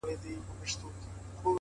نو گراني ته چي زما قدم باندي;